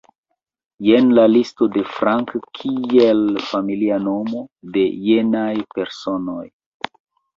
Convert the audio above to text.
Jen listo de Frank kiel familia nomo de jenaj personoj.